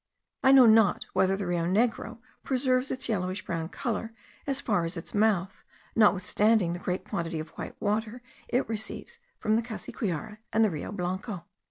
I know not whether the Rio Negro preserves its yellowish brown colour as far as its mouth, notwithstanding the great quantity of white water it receives from the Cassiquiare and the Rio Blanco.